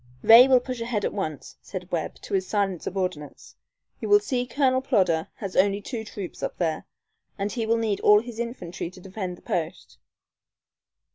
"Ray will push ahead at once," said Webb, to his silent subordinates. "You see Colonel Plodder has only two troops up there, and he will need all his infantry to defend the post.